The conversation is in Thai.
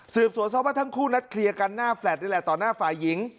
สวนทราบว่าทั้งคู่นัดเคลียร์กันหน้าแฟลต์นี่แหละต่อหน้าฝ่ายหญิง